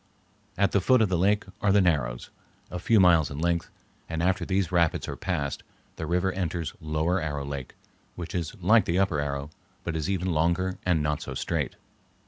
At the foot of the lake are the Narrows, a few miles in length, and after these rapids are passed, the river enters Lower Arrow Lake, which is like the Upper Arrow, but is even longer and not so straight.